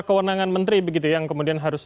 kewenangan menteri begitu yang kemudian harus